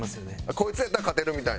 こいつやったら勝てるみたいな？